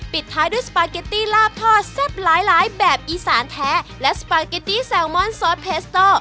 ปิดท้ายด้วยสปาเกตตี้ลาบทอดแซ่บหลายแบบอีสานแท้และสปาเกตตี้แซลมอนซอสเพสโต้